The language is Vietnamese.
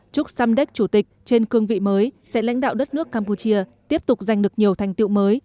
chúc samdek chủ tịch trên cương vị mới sẽ lãnh đạo đất nước campuchia tiếp tục giành được nhiều thành tiệu mới